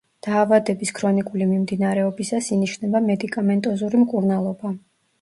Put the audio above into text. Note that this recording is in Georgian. დაავადების ქრონიკული მიმდინარეობისას ინიშნება მედიკამენტოზური მკურნალობა.